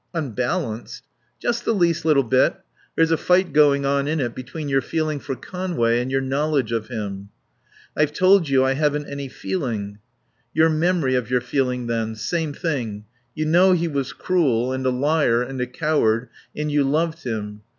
"Unbalanced?" "Just the least little bit. There's a fight going on in it between your feeling for Conway and your knowledge of him." "I've told you I haven't any feeling." "Your memory of your feeling then. Same thing. You know he was cruel and a liar and a coward. And you loved him.